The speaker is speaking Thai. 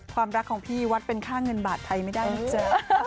ความรักของพี่วัดเป็นค่าเงินบาทไทยไม่ได้นะจ๊ะ